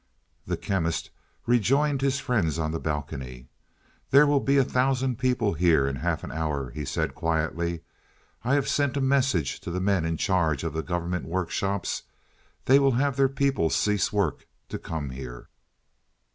The Chemist rejoined his friends on the balcony. "There will be a thousand people here in half an hour," he said quietly. "I have sent a message to the men in charge of the government workshops; they will have their people cease work to come here."